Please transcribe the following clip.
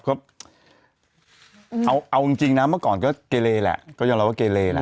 ก็เอาจริงนะเมื่อก่อนก็เกเลแหละก็ยอมรับว่าเกเลแหละ